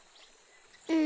うん。